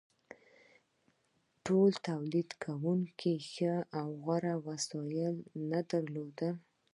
ټولو تولیدونکو ښه او غوره وسایل نه درلودل.